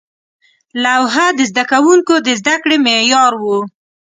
لوحه د زده کوونکو د زده کړې معیار و.